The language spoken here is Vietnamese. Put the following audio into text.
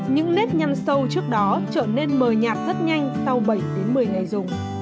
những nét nhăn sâu trước đó trở nên mờ nhạt rất nhanh sau bảy một mươi ngày dùng